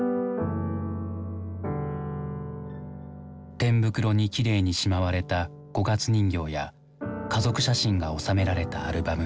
天袋にきれいにしまわれた五月人形や家族写真が収められたアルバム。